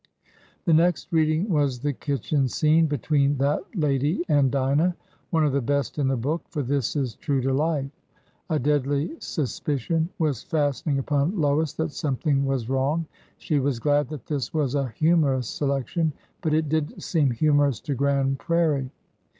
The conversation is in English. The next reading was the kitchen scene between that lady and Dinah, — one of the best in the book, for this is true to life. A deadly suspicion was fastening upon Lois that something was wrong. She was glad that this was a humorous selection. But it didn't seem humorous to Grand Prairie!